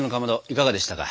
いかがでしたか？